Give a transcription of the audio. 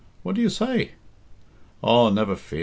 What do you say?" "Aw, never fear!